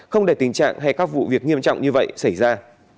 không để tình trạng hay các vụ việc nghiêm trọng như vậy xảy ra